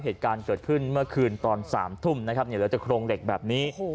เหตุการณ์เกิดขึ้นเมื่อคืนตอน๓ทุ่มนะครับเหลือแต่โครงเหล็กแบบนี้